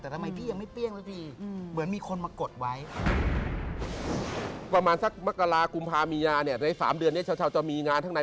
แต่ทำไมพี่ยังไม่เปรี้ยงสวัสดีเหมือนมีคนมากดไว้